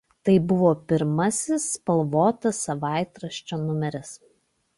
Tai buvo pirmasis spalvotas savaitraščio numeris.